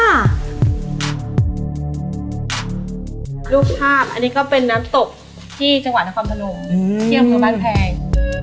รูปภาพนี่ก็เป็นน้ำตบที่จังหวะนครพลโมเชื่อบคู่บ้านแพง